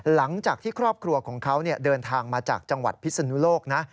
หลังจากที่ครอบครัวของเขาเดินทางมาจากจังหวัดพิศนุโลกนะ